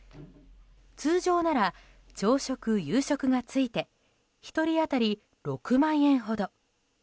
通常なら朝食・夕食が付いて１人当たり６万円ほど。